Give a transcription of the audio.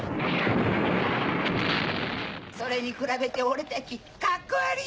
それに比べて俺たちカッコ悪ぃ！